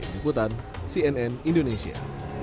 ikutan cnn indonesia